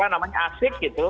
yang namanya asik gitu